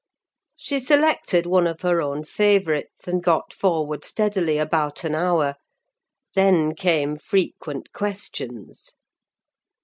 She selected one of her own favourites, and got forward steadily about an hour; then came frequent questions.